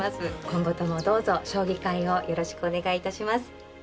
今度ともどうぞ将棋界をよろしくお願いいたします。